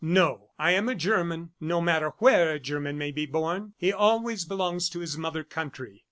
"No, I am a German. No matter where a German may be born, he always belongs to his mother country."